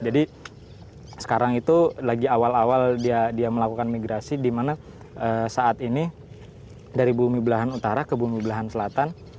jadi sekarang itu lagi awal awal dia melakukan migrasi di mana saat ini dari bumi belahan utara ke bumi belahan selatan